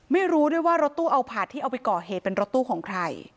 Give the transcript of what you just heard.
ไม่รู้ด้วยว่ารถตู้เอาผาดที่เอาไปก่อเหตุเป็นรถตู้ของใคร